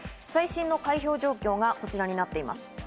最新の開票状況がこちらとなっております。